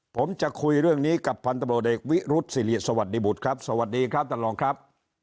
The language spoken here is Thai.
ผมจะคุยเรื่องนี้กับพันธบรวจเอกวิรุษศิริสวัสดีบุตรครับสวัสดีครับท่านรองครับ